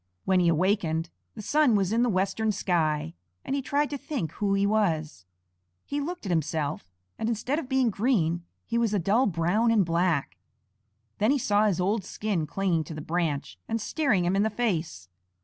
When he awakened, the sun was in the western sky, and he tried to think who he was. He looked at himself, and instead of being green he was a dull brown and black. Then he saw his old skin clinging to the branch and staring him in the face.